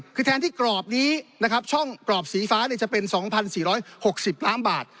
คือแทนที่กรอบนี้นะครับช่องกรอบสีฟ้าจะเป็น๒๔๖๐ล้านบาท